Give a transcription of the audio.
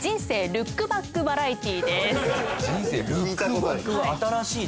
ルックバックバラエティ？